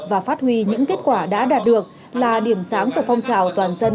và phát huy những kết quả đã đạt được là điểm sáng của phong trào toàn dân